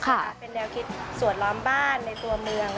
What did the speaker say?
ค่ะเป็นแนวคิดสวดล้อมบ้านในตัวเมือง